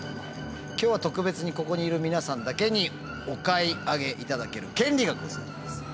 今日は特別にここにいる皆さんだけにお買い上げいただける権利がございます。